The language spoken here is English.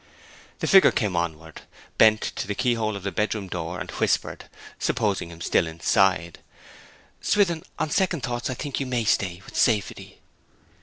The figure came onward, bent to the keyhole of the bedroom door, and whispered (supposing him still inside), 'Swithin, on second thoughts I think you may stay with safety.'